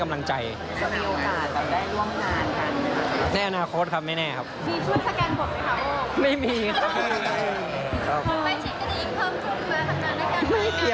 กำลังนั่งเมาส์หน้าน้องมาริโอกันอย่างเผิดเผิน